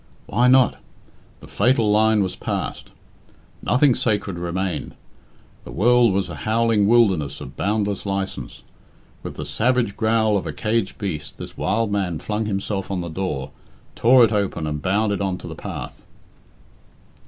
Why not? The fatal line was past. Nothing sacred remained. The world was a howling wilderness of boundless license. With the savage growl of a caged beast this wild man flung himself on the door, tore it open, and bounded on to the path.